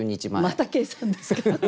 また計算ですか？